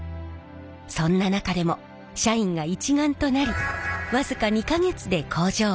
そんな中でも社員が一丸となり僅か２か月で工場を再開。